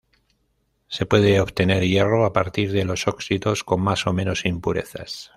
Se puede obtener hierro a partir de los óxidos con más o menos impurezas.